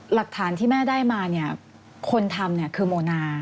หลักฐานที่แม่ได้มาเนี่ยคนทำคือโมนา